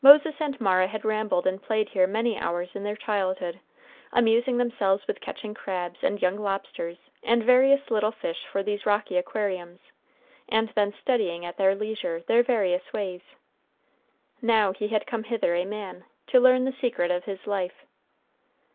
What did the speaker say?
Moses and Mara had rambled and played here many hours of their childhood, amusing themselves with catching crabs and young lobsters and various little fish for these rocky aquariums, and then studying at their leisure their various ways. Now he had come hither a man, to learn the secret of his life.